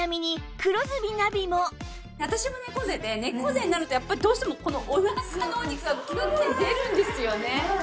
私も猫背で猫背になるとやっぱりどうしてもこのおなかのお肉がキュって出るんですよね。